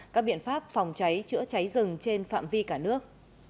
các biện pháp phòng cháy chữa cháy rừng trên phạm vi cả nước